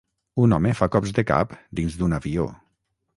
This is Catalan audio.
Un home fa cops de cap dins d'un avió.